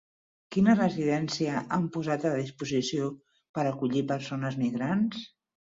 Quina residència han posat a disposició per acollir persones migrants?